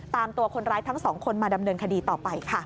ตามตัวคนร้ายทั้งสองคนมาดำเนินคดีต่อไปค่ะ